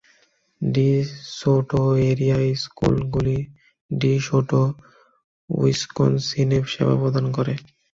D Soto area স্কুলগুলি De Soto, উইসকনসিনে সেবা প্রদান করে।